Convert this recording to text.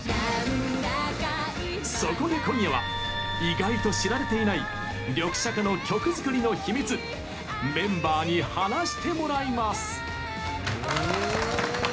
そこで、今夜は意外と知られていないリョクシャカの曲作りの秘密メンバーに話してもらいます。